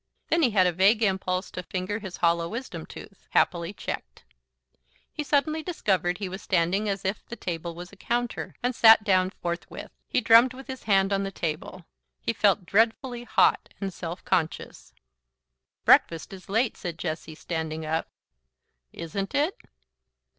Then he had a vague impulse to finger his hollow wisdom tooth happily checked. He suddenly discovered he was standing as if the table was a counter, and sat down forthwith. He drummed with his hand on the table. He felt dreadfully hot and self conscious. "Breakfast is late," said Jessie, standing up. "Isn't it?"